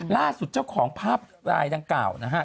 ล่าสุดเจ้าของภาพลายดังกล่าวนะฮะ